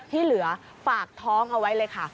ที่เหลือฝากท้องเอาไว้เลยค่ะ